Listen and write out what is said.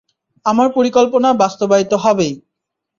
আমার পরিকল্পনা বাস্তবায়িত হবেই।